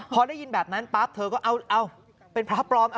พอได้ยินแบบนั้นปั๊บเธอก็เอาเป็นพระปลอม